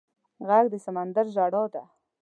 غږ د سمندر ژړا ده